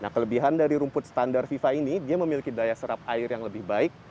kelebihan dari rumput standar fifa ini dia memiliki daya serap air yang lebih baik